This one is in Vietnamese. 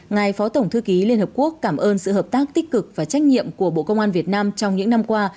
ngài phó tổng thư ký liên hợp quốc cảm ơn sự hợp tác tích cực và trách nhiệm của bộ công an việt nam trong những năm qua